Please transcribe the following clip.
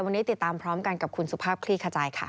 วันนี้ติดตามพร้อมกันกับคุณสุภาพคลี่ขจายค่ะ